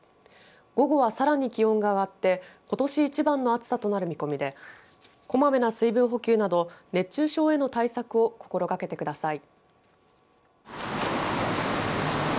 午後はさらに気温が上がってことし一番の暑さとなる見込みでこまめな水分補給など熱中症への対策を心がけてください。